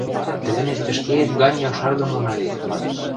– Тӹлӓнет ӹшкеэт гань якшаргым мона вет, – манеш.